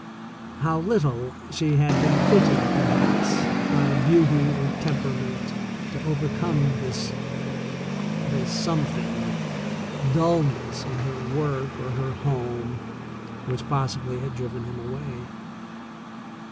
How little she had been fitted, perhaps, by beauty or temperament to overcome this — the some thing — dullness in her work or her home, which pos sibly had driven him away.